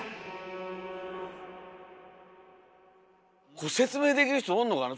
これ説明できる人おんのかな？